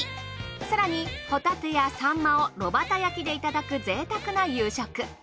更にホタテやサンマを炉端焼きでいただく贅沢な夕食。